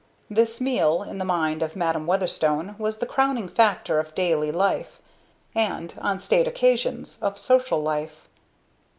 This meal, in the mind of Madam Weatherstone, was the crowning factor of daily life; and, on state occasions, of social life.